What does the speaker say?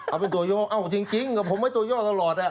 เอาเป็นตัวย่อเอาจริงกับผมไว้ตัวย่อตลอด